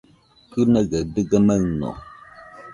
Kɨnaigaɨ dɨga maɨno.